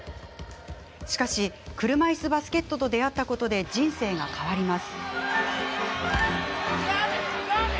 しかし、車いすバスケットと出会ったことで人生が変わります。